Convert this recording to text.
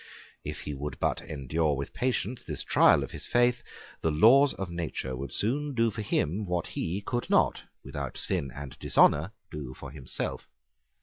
If he would but endure with patience this trial of his faith, the laws of nature would soon do for him what he could not, without sin and dishonour, do for himself.